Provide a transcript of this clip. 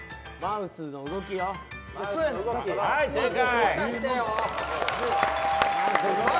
はい、正解！